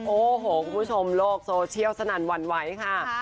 โอ้โหคุณผู้ชมโลกโซเชียลสนั่นหวั่นไหวค่ะ